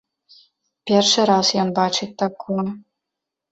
Першы раз ён бачыць такую.